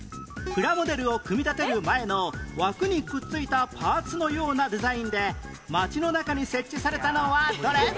プラモデルを組み立てる前の枠にくっついたパーツのようなデザインで街の中に設置されたのはどれ？